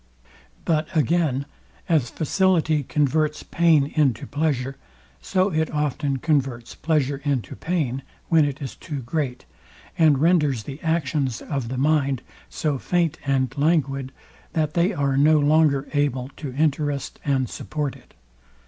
But again, as facility converts pain into pleasure, so it often converts pleasure into pain, when it is too great, and renders the actions of the mind so faint and languid, that they are no longer able to interest and support it.